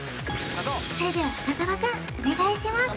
それでは深澤くんお願いします